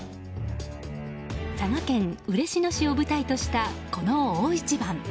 佐賀県嬉野市を舞台としたこの大一番。